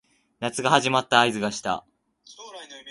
夏が始まった合図がした